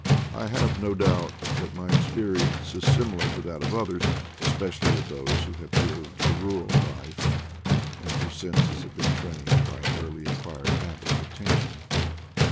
I have no doubt that my experience is similar to that of others, especially of those who have lived a rural life, and whose senses have been trained by an early acquired habit of attention.